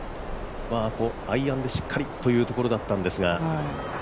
アイアンでしっかりというところだったんですが。